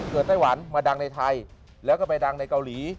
ไต้หวันมาดังในไทยแล้วก็ไปดังในเกาหลี